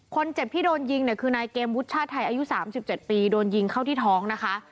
คนเจ็บที่โดนยิงเนี่ยคือนายเกมวุฒิชาติไทยอายุ๓๗ปีโดนยิงเข้าที่ท้องนะคะ